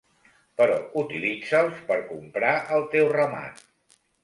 Però utilitza'ls per comprar el teu ramat.